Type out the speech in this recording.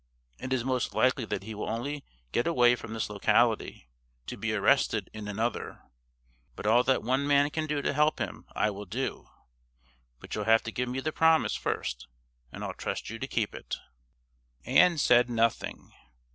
It is most likely that he will only get away from this locality to be arrested in another, but all that one man can do to help him I will do; but you'll have to give me the promise first, and I'll trust you to keep it." Ann said nothing.